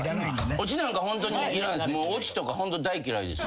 オチなんかホントいらないです。